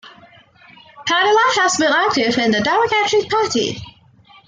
Padilla has been active in the Democratic Party.